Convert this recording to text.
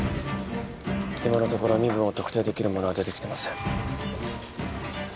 今のところ身分を特定できるものは出てきてません